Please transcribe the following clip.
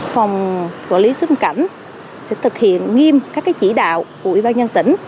phòng quản lý xuất nhập cảnh sẽ thực hiện nghiêm các chỉ đạo của ủy ban nhân tỉnh